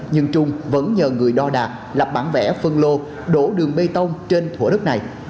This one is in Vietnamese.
nhưng trung vẫn nhờ người đo đạt bản vẽ phân lô đổ đường bê tông trên thủa đất này